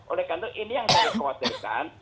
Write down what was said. oleh karena ini yang saya khawatirkan